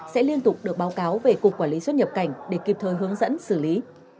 sẽ liên tục được báo cáo về cục quản lý xuất nhập cảnh để kịp thời hướng dẫn xử lý